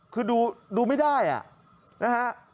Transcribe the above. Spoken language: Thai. คือดูไม่ได้นะฮะ